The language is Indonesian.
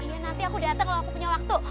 iya nanti aku datang kalau aku punya waktu